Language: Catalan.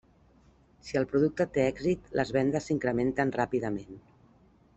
Si el producte té èxit, les vendes s'incrementen ràpidament.